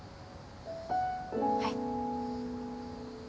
はい。